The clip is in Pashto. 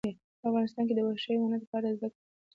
افغانستان کې د وحشي حیواناتو په اړه زده کړه کېږي.